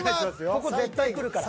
ここ絶対くるから。